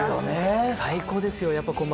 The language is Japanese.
最高ですよ。